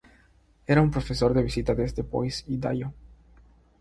Era un profesor de visita desde Boise, Idaho.